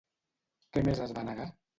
Què més es va negar?